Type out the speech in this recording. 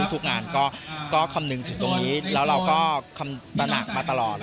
ทุกงานก็คำนึงถึงตรงนี้แล้วเราก็คำตระหนักมาตลอด